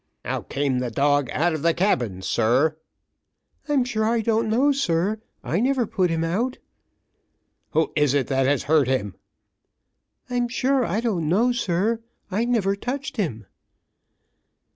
"How came the dog out of the cabin, sir?" "I'm sure I don't know, sir; I never put him out." "Who is it that has hurt him?" "I'm sure I don't know, sir; I never touched him."